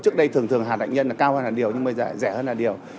trước đây thường thường hạt hạnh nhân là cao hơn hạt điều nhưng bây giờ rẻ hơn hạt điều